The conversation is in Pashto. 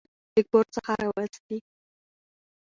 له کور څخه راوستې.